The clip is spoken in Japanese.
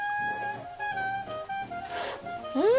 うん！